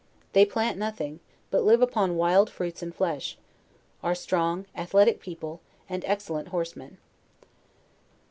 They plant nothing, but live upon wild fruits and flesh: are strong, athletic peo ple, and excellent horsemen.